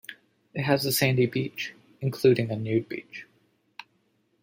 It has a sandy beach, including a nude beach.